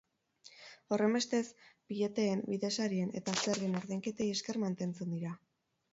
Horrenbestez, bileteen, bidesarien eta zergen ordainketei esker mantentzen dira.